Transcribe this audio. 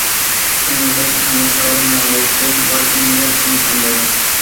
El mosaico se muestra ahora en la Australian War Memorial en Canberra.